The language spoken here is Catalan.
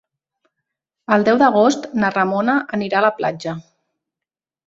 El deu d'agost na Ramona anirà a la platja.